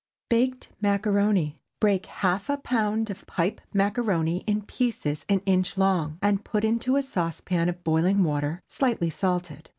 BAKED MACARONI. ✠ Break half a pound of pipe macaroni in pieces an inch long, and put into a saucepan of boiling water slightly salted.